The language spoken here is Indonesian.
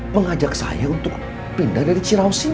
mengajak saya untuk pindah dari ciraus ini